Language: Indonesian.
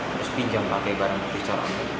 terus pinjam pakai barang bukti secara online